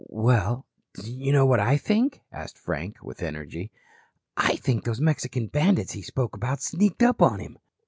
"Well, do you know what I think?" asked Frank with energy. "I think those Mexican bandits he spoke about sneaked up on him."